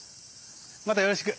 またよろしく。